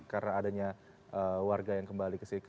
karena adanya warga yang kembali ke sini